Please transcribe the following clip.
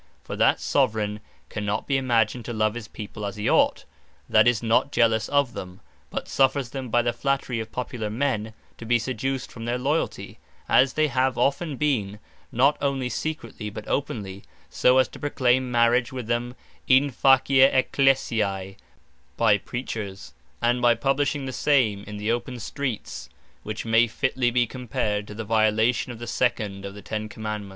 For that Soveraign, cannot be imagined to love his People as he ought, that is not Jealous of them, but suffers them by the flattery of Popular men, to be seduced from their loyalty, as they have often been, not onely secretly, but openly, so as to proclaime Marriage with them In Facie Ecclesiae by Preachers; and by publishing the same in the open streets: which may fitly be compared to the violation of the second of the ten Commandements.